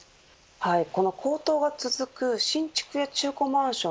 この高騰が続く新築中古マンション。